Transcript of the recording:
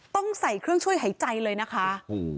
ต้องใส่เครื่องช่วยหายใจเลยนะคะ